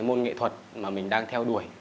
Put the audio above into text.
một môn nghệ thuật mà mình đang theo đuổi